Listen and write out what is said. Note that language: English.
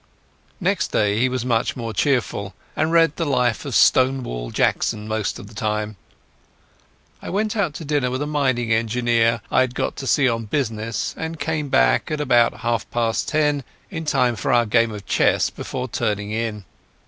Next day he was much more cheerful, and read the life of Stonewall Jackson much of the time. I went out to dinner with a mining engineer I had got to see on business, and came back about half past ten in time for our game of chess before turning in.